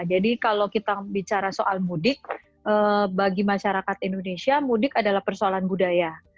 jadi kalau kita bicara soal mudik bagi masyarakat indonesia mudik adalah persoalan budaya